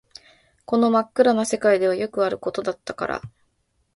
この真っ暗な世界ではよくあることだったから